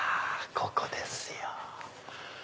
ここですよ。